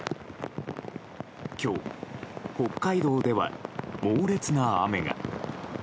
今日、北海道では猛烈な雨が。